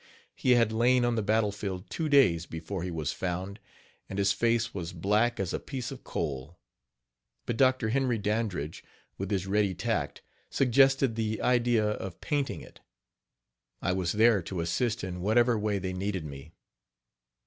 He had lain on the battlefield two days before he was found, and his face was black as a piece of coal; but Dr. Henry Dandridge, with his ready tact, suggested the idea of painting it. I was there to assist in whatever way they needed me.